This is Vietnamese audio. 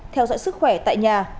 theo dõi sức khỏe tại nhà